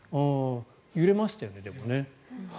揺れましたよね、でもね。